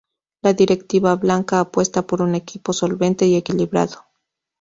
La directiva blanca apuesta por un equipo solvente y equilibrado.